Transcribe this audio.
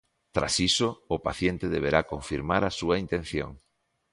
Tras iso, o paciente deberá confirmar a súa intención.